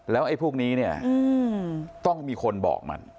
แล้วไอ้พวกนี้เนี่ยต้องมีคนบอกมัน